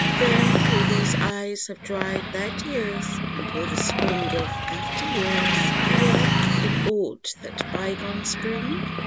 Then will these eyes have dried their tears. And will the Spring of after years Be like in aught that bygone Spring